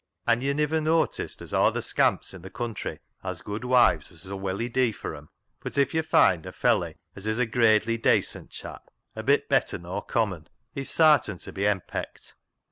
Han yo' niver noaticed as aw th' scamps i' th' country has good wives as 'ull welly dee for 'em ? But if yo' foind a felley as is a gradely dacent chap, a bit better nor common, he's sartin ta be henpecked.